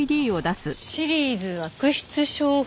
『シリーズ悪質商法』。